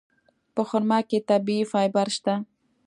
په خرما کې طبیعي فایبر شته.